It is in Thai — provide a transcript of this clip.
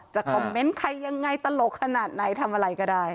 คอมเมนต์ใครยังไงตลกขนาดไหนทำอะไรก็ได้